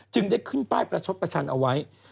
ได้ขึ้นป้ายประชดประชันเอาไว้